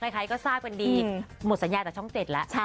ใครก็ทราบกันดีหมดสัญญาจากช่อง๗แล้ว